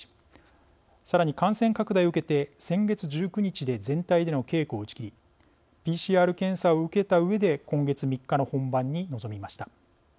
さらに感染拡大を受けて先月１９日で全体での稽古を打ち切りＰＣＲ検査を受けたうえで今月３日の本番に臨みました。